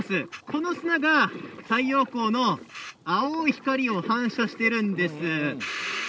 この砂が太陽光の青い光を反射してるんです。